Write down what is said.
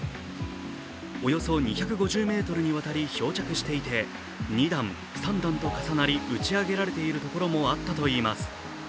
およそ２５０ｍにわたり漂着していて２段、３段と重なり打ち上げられているところもあったといいます。